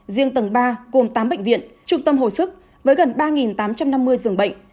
riêng tầng ba gồm tám bệnh viện trung tâm hồi sức với gần ba tám trăm năm mươi giường bệnh